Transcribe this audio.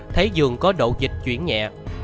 thấy giường có độ dịch chuyển nhẹ